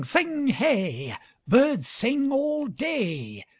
Sing hey! Birds sing All day.